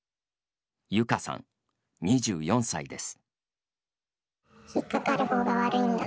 ゆかさん、２４歳です。